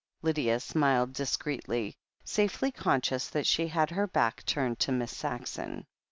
Lydia smiled discreetly, safely conscious that she had her back turned to Miss Saxon.